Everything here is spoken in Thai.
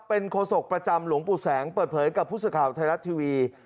เป็นโฆษกประจำหลวงปู่แสงเปิดเผยกับผู้สื่อข่าวไทยรัฐทีวี